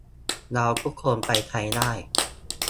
เราทุกคนไปใช้ได้